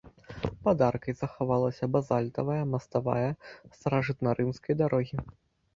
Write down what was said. Пад аркай захавалася базальтавая маставая старажытнарымскай дарогі.